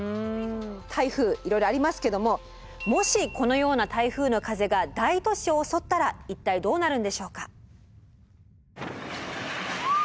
台風いろいろありますけどももしこのような台風の風が大都市を襲ったら一体どうなるんでしょうか？